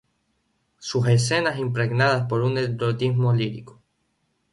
Son escenas impregnadas por un erotismo lírico.